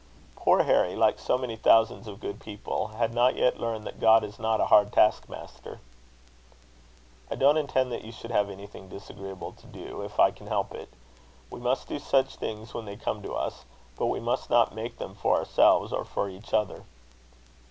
Poor Harry, like so many thousands of good people, had not yet learned that God is not a hard task master. "I don't intend that you should have anything disagreeable to do, if I can help it. We must do such things when they come to us; but we must not make them for ourselves, or for each other."